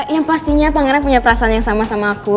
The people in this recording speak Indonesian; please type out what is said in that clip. yang pastinya pangeran punya perasaan yang sama sama aku